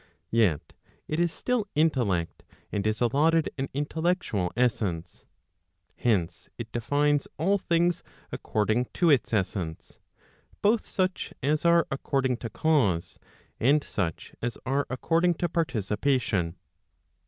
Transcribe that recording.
Yet it is still intellect, and is allotted an intellectual essence. [Hence it defines] all things [according to its essence];' both such as are according to cause, and such as are according to participation.